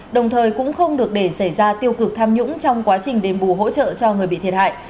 đồng thời cũng không được để xảy ra tiêu cực tham nhũng trong quá trình đền bù hỗ trợ cho người bị thiệt hại